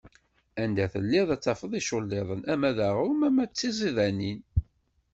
Anda teddiḍ, ad tafeḍ iculliḍen, ama d aɣrum ama d tiẓidanin.